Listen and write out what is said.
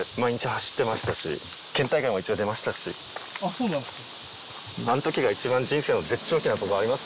そうなんですか。